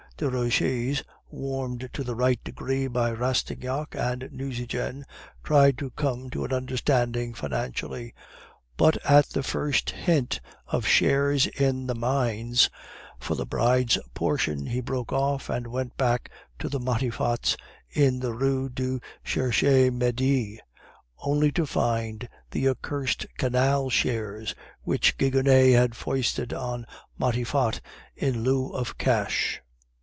Desroches, warmed to the right degree by Rastignac and Nucingen, tried to come to an understanding financially; but at the first hint of shares in the mines for the bride's portion, he broke off and went back to the Matifat's in the Rue du Cherche Midi, only to find the accursed canal shares which Gigonnet had foisted on Matifat in lieu of cash.